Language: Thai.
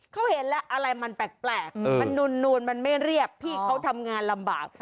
เขาเห็นแล้วอะไรมันแปลกมันนูนมันไม่เรียบพี่เขาทำงานลำบาก